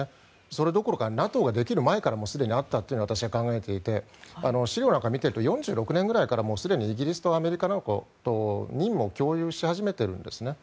それどころかＮＡＴＯができる前からもうすでにあったと私は考えていて資料なんかを見ていると４６年ぐらいからすでにアメリカやイギリスなんかと任務を共有し始めているんですね。